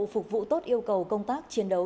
phục vụ tốt yêu cầu công tác chiến đấu